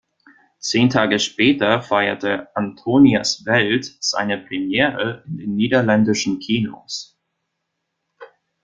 Zehn Tage später feierte "Antonias Welt" seine Premiere in den niederländischen Kinos.